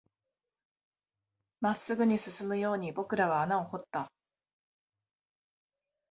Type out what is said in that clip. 真っ直ぐに進むように僕らは穴を掘った